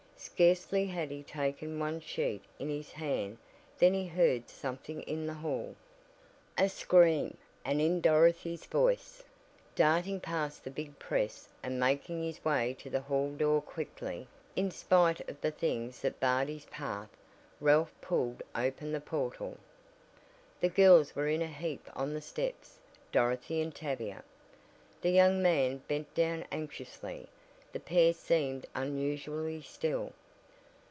Scarcely had he taken one sheet in his hand than he heard something in the hall. A scream! And in Dorothy's voice! Darting past the big press, and making his way to the hall door quickly in spite of the things that barred his path, Ralph pulled open the portal. The girls were in a heap on the steps! Dorothy and Tavia. The young man bent down anxiously. The pair seemed unusually still.